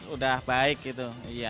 udah baik gitu